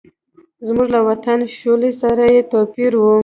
زموږ له وطني شولې سره یې توپیر و.